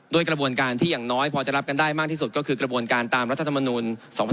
กระบวนการที่อย่างน้อยพอจะรับกันได้มากที่สุดก็คือกระบวนการตามรัฐธรรมนูล๒๕๖๒